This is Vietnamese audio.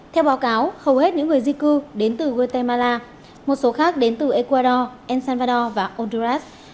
theo báo cáo hầu hết những người di cư đến từ guatemala một số khác đến từ ecuador el salvador và honduras